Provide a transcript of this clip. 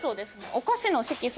お菓子の色素で。